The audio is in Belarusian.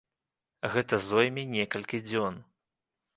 Гэта зойме некалькі дзён.